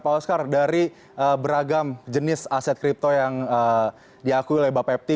pak oscar dari beragam jenis aset kripto yang diakui oleh bapepti